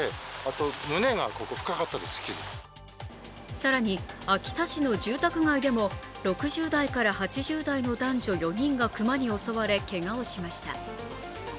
更に秋田市の住宅街でも、６０代から８０代の男女４人が熊に襲われ、けがをしました。